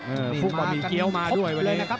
เออผู้บ่อมีเกี๊ยวมาด้วยวันนี้